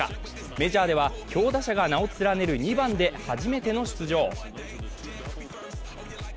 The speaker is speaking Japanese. メジャーでは強打者が名を連ねる２番で初めての出場。